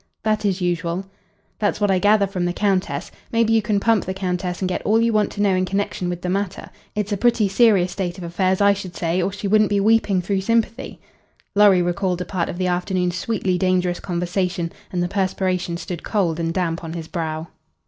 "That is usual. "That's what I gather from the Countess. Maybe you can pump the Countess and get all you want to know in connection with the matter. It's a pretty serious state of affairs, I should say, or she wouldn't be weeping through sympathy." Lorry recalled a part of the afternoon's sweetly dangerous conversation and the perspiration stood cold and damp on his brow.